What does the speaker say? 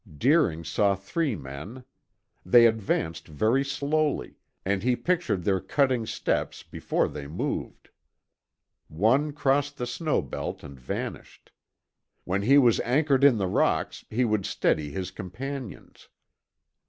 Deering saw three men. They advanced very slowly, and he pictured their cutting steps before they moved. One crossed the snow belt and vanished. When he was anchored in the rocks he would steady his companions.